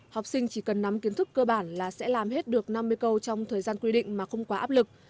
học sinh chỉ cần nắm kiến thức cơ bản là sẽ làm hết được năm mươi câu trong thời gian quy định mà không quá áp lực